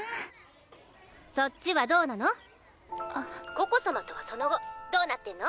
ココ様とはその後どうなってんの？